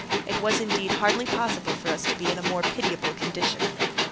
It was, indeed, hardly possible for us to be in a more pitiable condition.